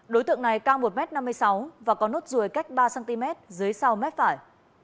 đối tượng này cao một m năm mươi sáu và có nốt ruồi cách ba cm dưới sau mép phải